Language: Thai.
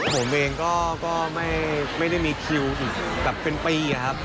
ผมเองก็ไม่ได้มีคิวอีกแบบเป็นปีครับ